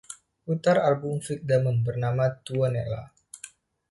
Putar album Vic Damone bernama Tuonela